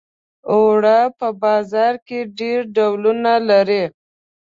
اوړه په بازار کې ډېر ډولونه لري